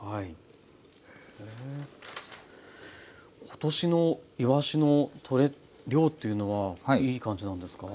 今年のいわしの取れ量っていうのはいい感じなんですか？